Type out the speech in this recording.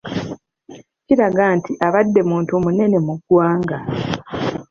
Kiraga nti abadde muntu munene mu ggwanga.